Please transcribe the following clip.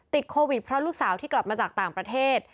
ติดโควิดเพราะลูกสาวที่กลับมาจากต่างประเทศ